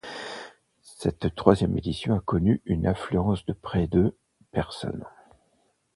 Cette troisième édition a connu une affluence de près de personnes.